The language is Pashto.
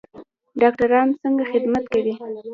ډاکټران څنګه خدمت کوي؟